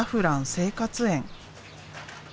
生活園。